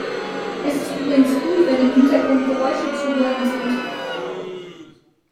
Es ist übrigens gut, wenn im Hintergrund Geräusche zu hören sind.